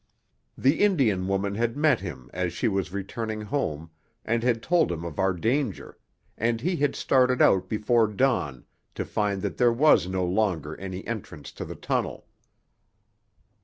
The Indian woman had met him as she was returning home, and had told him of our danger, and he had started out before dawn, to find that there was no longer any entrance to the tunnel.